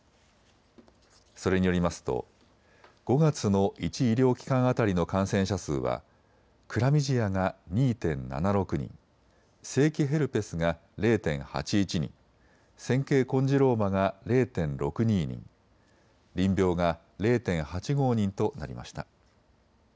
それによりますと５月の１医療機関当たりの感染者数はクラミジアが２．７６人、性器ヘルペスが０．８１人、尖圭コンジローマが０．６２人、淋病が０．８５人となりました。